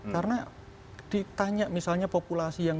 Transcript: karena ditanya misalnya populasi yang